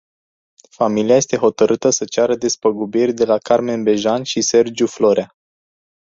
Familia este hotărâtă să ceară despăgubiri de la Carmen Bejan și Sergiu Florea.